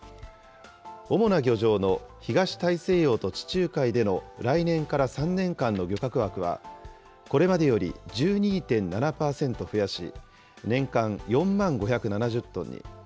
主な漁場の東大西洋と地中海での来年から３年間の漁獲枠は、これまでより１２．７％増やし、年間４万５７０トンに。